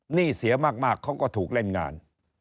หนี้เสียมากเขาก็ถูกเล่นงาน